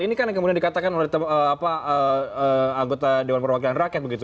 ini kan yang kemudian dikatakan oleh anggota dewan perwakilan rakyat begitu